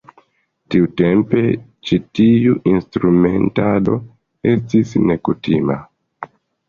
Tiutempe ĉi tiu instrumentado estis nekutima.